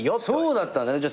そうだったんだ。